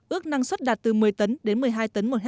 ước năng suất đạt từ một mươi tấn đến một mươi hai tấn một hectare